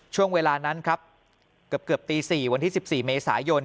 ช่วงเวลานั้นครับเกือบเกือบตีสี่วันที่สิบสี่เมษายน